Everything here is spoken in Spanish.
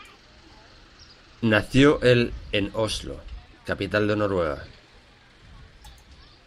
Nació el en Oslo, capital de Noruega.